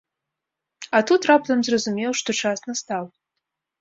А тут раптам зразумеў, што час настаў.